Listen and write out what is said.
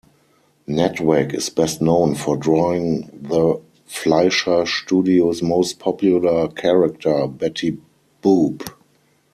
Natwick is best known for drawing the Fleischer Studio's most popular character, Betty Boop.